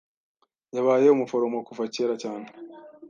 Yabaye umuforomo kuva kera cyane.